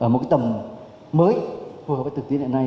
một cái tầm mới phù hợp với thực tế hiện nay